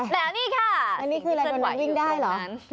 แล้วนี่ค่ะสิ่งที่ส่วนไหวอยู่ข้างนั้น